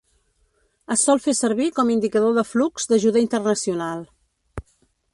Es sol fer servir com indicador de flux d'ajuda internacional.